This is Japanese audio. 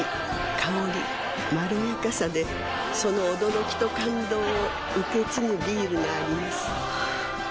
香りまろやかさでその驚きと感動を受け継ぐビールがあります